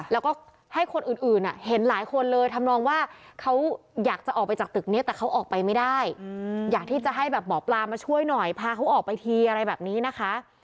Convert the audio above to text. แล้วก็ให้คนอื่นเห็นหลายคนเลยทำนองว่าเขาอยากจะออกไปจากตึกนี้แต่เขาออกไปไม่ได้อยากที่จะให้แบบหมอปลามาช่วยหน่อยพาเขาออกไปทีอะไรแบบนี้นะคะ